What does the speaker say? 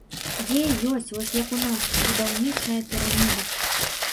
Дзе ёсць, вось як у нас, будаўнічая піраміда.